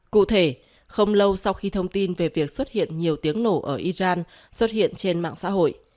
cụ thể không lâu sau khi thông tin về việc xuất hiện nhiều tiếng nổ ở iran xuất hiện trên mạng xã hội